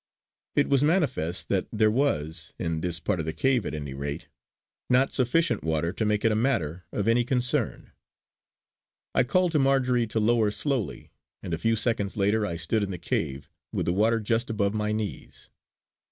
It was manifest that there was, in this part of the cave at any rate, not sufficient water to make it a matter of any concern. I called to Marjory to lower slowly, and a few seconds later I stood in the cave, with the water just above my knees.